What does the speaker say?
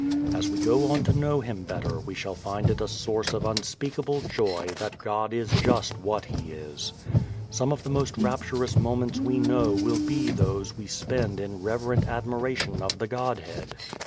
As we go on to know Him better we shall find it a source of unspeakable joy that God is just what He is. Some of the most rapturous moments we know will be those we spend in reverent admiration of the Godhead.